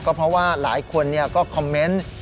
ก็เพราะว่าหลายคนก็คอมเมนต์